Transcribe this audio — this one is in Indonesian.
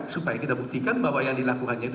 supaya kita buktikan bahwa yang dilakukannya itu